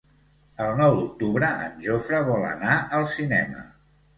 El nou d'octubre en Jofre vol anar al cinema.